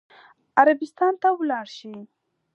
عربستان ته ولاړ شي.